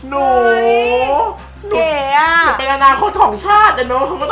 เป็นอาณาคนของชาติอย่างน้อง